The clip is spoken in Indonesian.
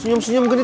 senyum senyum genit